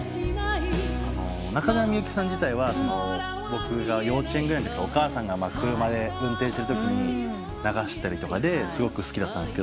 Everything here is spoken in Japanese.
中島みゆきさん自体は僕が幼稚園ぐらいのときにお母さんが車運転してるときに流したりとかですごく好きだったんですけど。